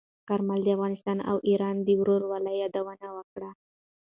کارمل د افغانستان او ایران د ورورولۍ یادونه وکړه.